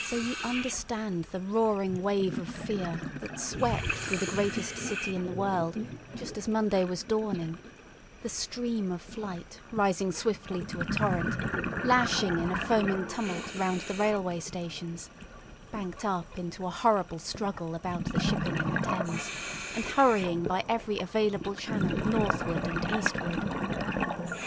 So you understand the roaring wave of fear that swept through the greatest city in the world just as Monday was dawning—the stream of flight rising swiftly to a torrent, lashing in a foaming tumult round the railway stations, banked up into a horrible struggle about the shipping in the Thames, and hurrying by every available channel northward and eastward.